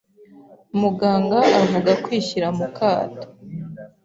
Muganga avuga kwishyira mu kato